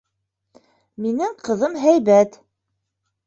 Минең ҡыҙым һәйбәт.